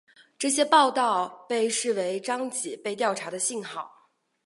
这些报道被视为张已被调查的信号。